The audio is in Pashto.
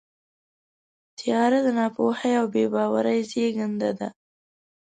تیاره د ناپوهۍ او بېباورۍ زېږنده ده.